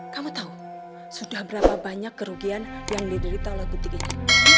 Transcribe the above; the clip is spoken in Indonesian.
kamu tahu sudah berapa banyak kerugian yang diderita oleh butik itu